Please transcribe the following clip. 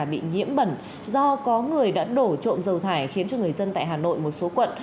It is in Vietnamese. bị nhiễm bẩn do có người đã đổ trộm dầu thải khiến cho người dân tại hà nội một số quận